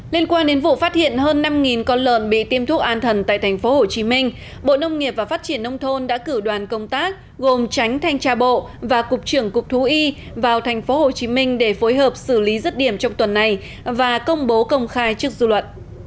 liên quan đến vụ phát hiện hơn năm con lợn bị tiêm thuốc an thần tại tp hcm bộ nông nghiệp và phát triển nông thôn đã cử đoàn công tác gồm tránh thanh tra bộ và cục trưởng cục thú y vào tp hcm để phối hợp xử lý rứt điểm trong tuần này và công bố công khai trước dư luận